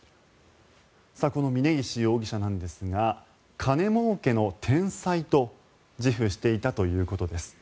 峯岸容疑者なんですが金もうけの天才と自負していたということです。